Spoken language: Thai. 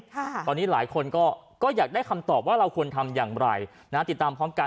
ตอนนี้หลายคนก็อยากได้คำตอบว่าเราควรทำอย่างไรนะติดตามพร้อมกัน